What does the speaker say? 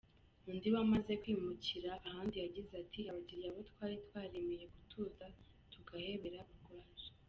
Undi wamaze kwimukira ahandi yagize ati “ Abakiriya bo twari twaremeye gutuza tugahebera urwaje.